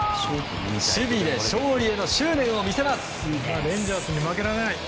守備で勝利への執念を見せます。